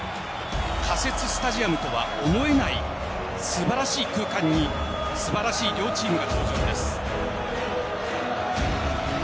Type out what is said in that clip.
仮設スタジアムとは思えない素晴らしい空間に素晴らしい両チームが登場です。